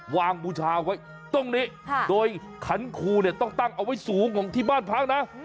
บูชาไว้ตรงนี้โดยขันครูเนี่ยต้องตั้งเอาไว้สูงของที่บ้านพักนะ